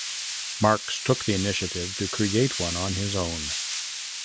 Marks took the initiative to create one on his own.